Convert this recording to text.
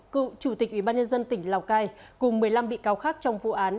cựu chủ tịch ủy ban nhân dân tỉnh lào cai cùng một mươi năm bị cáo khác trong vụ án